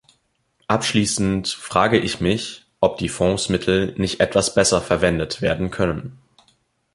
Abschließend frage ich mich, ob die Fondsmittel nicht etwas besser verwendet werden können.